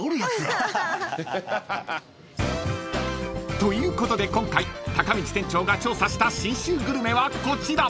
［ということで今回たかみち店長が調査した信州グルメはこちら］